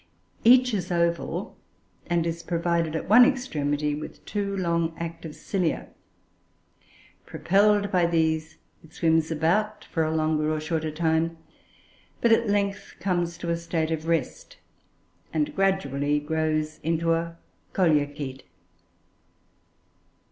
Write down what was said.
Each is oval and is provided at one extremity with two long active cilia. Propelled by these, it swims about for a longer or shorter time, but at length comes to a state of rest and gradually grows into a Coleochaete.